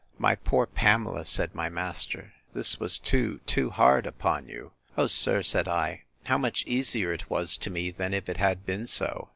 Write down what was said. My poor Pamela, said my master, this was too, too hard upon you! O sir, said I, how much easier it was to me than if it had been so!